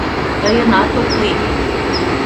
Тыйынат ок лий!..